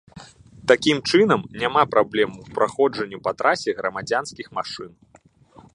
Такім чынам, няма праблем у праходжанні па трасе грамадзянскіх машын.